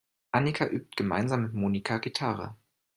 Annika übt gemeinsam mit Monika Gitarre.